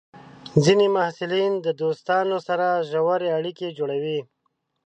ځینې محصلین د دوستانو سره ژورې اړیکې جوړوي.